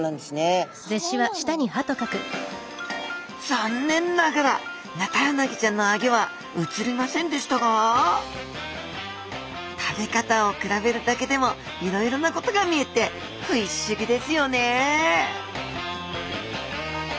残念ながらヌタウナギちゃんのアギョは写りませんでしたが食べ方を比べるだけでもいろいろなことが見えてフィッシュギですよね！